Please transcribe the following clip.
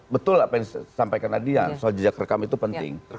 betul apa yang disampaikan adian soal jejak rekam itu penting